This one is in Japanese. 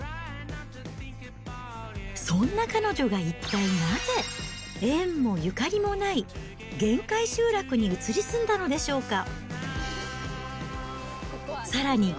そんな彼女が一体なぜ、縁もゆかりもない限界集落に移り住んだのでしょうか。